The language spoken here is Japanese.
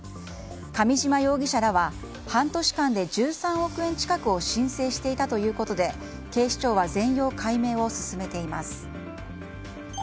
上嶋容疑者らは半年間で１３億円近くを申請していたということで警視庁は全容解明を進めています。